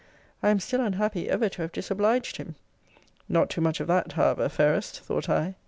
I am still unhappy ever to have disobliged him! Not too much of that, however, fairest, thought I!